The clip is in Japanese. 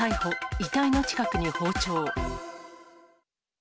遺体の近くに包丁。